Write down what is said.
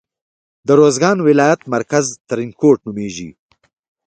د روزګان ولایت مرکز ترینکوټ نومیږي.